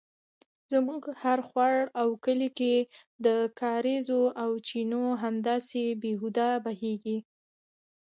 زموږ هر خوړ او کلي کې د کاریزو او چینو همداسې بې هوده بیهږي